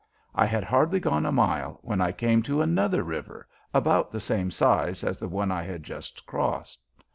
I had hardly gone a mile when I came to another river, about the same size as the one I had just crossed.